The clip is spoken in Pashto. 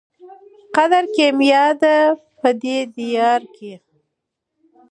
قدر کېمیا دی په دې دیار کي